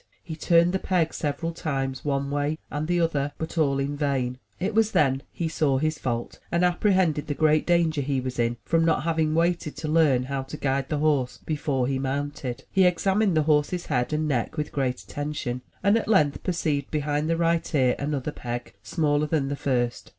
He turned the peg several times, one way and the other, but all in vain. It was then he saw his fault, and apprehended the great danger he was in, from not having waited to learn how to guide the horse before he mounted. He examined the horse's head and neck with great attention, and at length perceived behind the right ear another peg, smaller than the first.